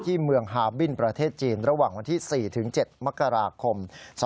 เมืองฮาบินประเทศจีนระหว่างวันที่๔๗มกราคม๒๕๖